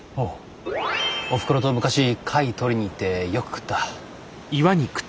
おふくろと昔貝とりに行ってよく食った。